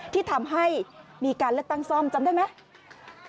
ที่ทำให้มีการเลือกตั้งซ่อมจำได้ไหม